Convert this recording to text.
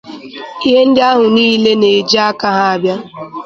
ihe ndị ahụ niile na-eji aka ha abịa